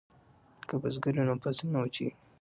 که بزګر وي نو فصل نه وچېږي.